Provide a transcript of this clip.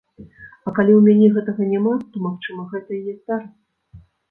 А калі ў мяне гэтага няма, то, магчыма, гэта і не здарыцца.